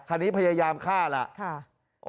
คันนี้พยายามฆ่าแล้ว